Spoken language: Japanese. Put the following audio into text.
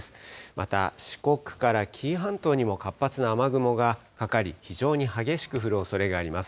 また、四国から紀伊半島にも活発な雨雲がかかり、非常に激しく降るおそれがあります。